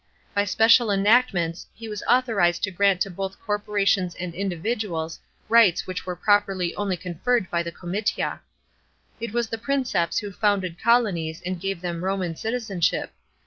By special enactments he was authorised to grant to hoth corporations and individuals rights which were properly only conferred by the comitia. It was the Princeps who founded colonies and gave them Roman citizenship.